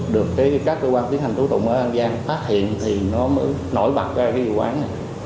được các cơ quan tiến hành tố tụng ở an giang phát hiện thì nó mới nổi bật ra cái vụ án này